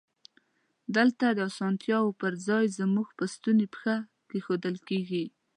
دلته د اسانتیاوو پر ځای زمونږ په ستونی پښه کېښودل کیږی.